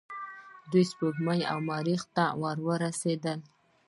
دوی سپوږمۍ او مریخ ته ورسیدل.